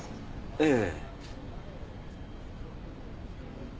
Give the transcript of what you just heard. ええ。